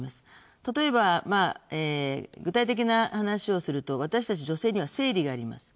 例えば、具体的な話をすると私たち女性には生理があります。